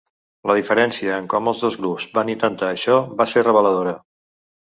La diferència en com els dos grups van intentar això va ser reveladora.